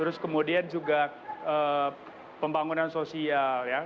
terus kemudian juga pembangunan sosial ya